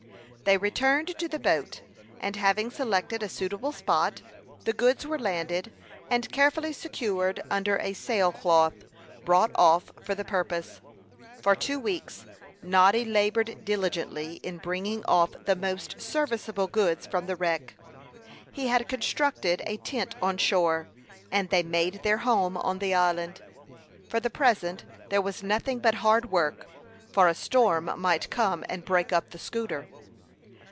They returned to the boat, and having selected a suitable spot, the goods were landed, and carefully secured under a sail cloth brought off for the purpose. For two weeks Noddy labored diligently in bringing off the most serviceable goods from the wreck. He had constructed a tent on shore, and they made their home on the island. For the present there was nothing but hard work, for a storm might come and break up the schooner.